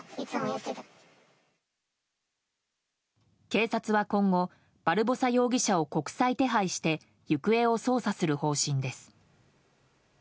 警察は今後、バルボサ容疑者を国際手配して行方を捜査する方針です。